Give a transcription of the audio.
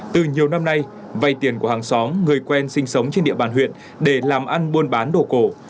từ nhiều năm nay vay tiền của hàng xóm người quen sinh sống trên địa bàn huyện để làm ăn buôn bán đồ cổ